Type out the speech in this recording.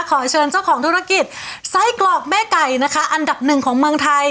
ขอเชิญเจ้าของธุรกิจไส้กรอกแม่ไก่นะคะอันดับหนึ่งของเมืองไทย